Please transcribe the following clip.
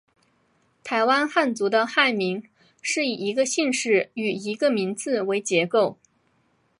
台湾汉族的汉名是以一个姓氏与一个名字为结构。